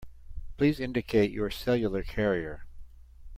Please indicate your cellular carrier.